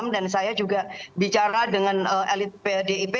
dan saya juga bicara dengan elit pdip